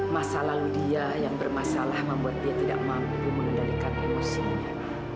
masa lalu dia yang bermasalah membuat dia tidak mampu mengendalikan emosinya